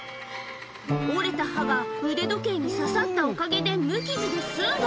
折れた刃が、腕時計に刺さったおかげで、無傷で済んだ。